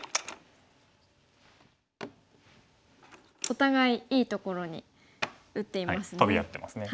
お互いいいところに打っていますね。